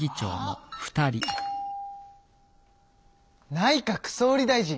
内閣総理大臣！